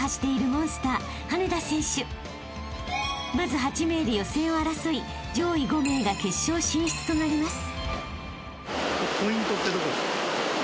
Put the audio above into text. ［まず８名で予選を争い上位５名が決勝進出となります］